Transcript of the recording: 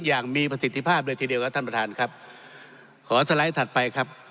อย่างมีประสิทธิภาพเลยทีเดียวครับท่านประธานครับขอสไลด์ถัดไปครับ